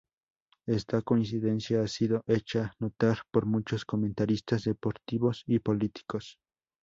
Esta coincidencia ha sido hecha notar por muchos comentaristas deportivos y políticos.